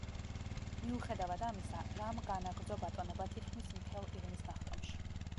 მიუხედავად ამისა, რამ განაგრძო ბატონობა თითქმის მთელ ირმის ნახტომში.